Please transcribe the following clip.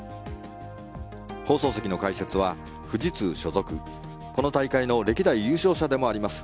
放送席の解説は富士通所属この大会の歴代優勝者でもあります